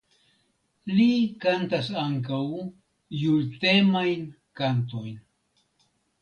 Li kantas ankaŭ jultemajn kantojn.